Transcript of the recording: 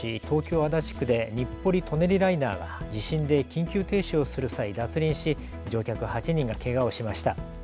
足立区で日暮里・舎人ライナーが地震で緊急停止をする際、脱輪し乗客８人がけがをしました。